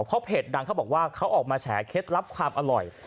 เพราะเพจดังเขาบอกว่าเขาออกมาแฉเคล็ดลับความอร่อย